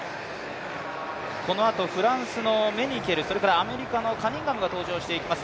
このあとフランスのメニケル、アメリカのカニンガムが登場していきます。